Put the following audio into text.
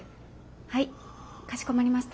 はいかしこまりました。